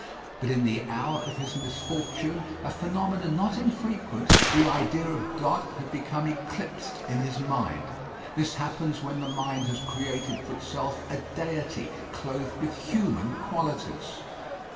But in the hour of his misfortune, a phenomenon not infrequent the idea of God had become eclipsed in his mind. This happens when the mind has created for itself a deity clothed with human qualities.